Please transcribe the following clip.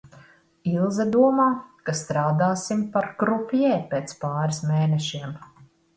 Ilze domā, ka strādāsim par krupjē pēc pāris mēnešiem.